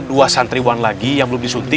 dua santriwan lagi yang belum disuntik